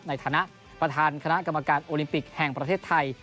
ในฐานะประธานคณะกรรมการโอลิมปิกแห่งประเทศไทย